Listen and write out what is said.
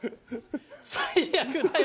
最悪だよ！